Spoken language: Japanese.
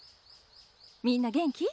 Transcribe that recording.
みんな元気？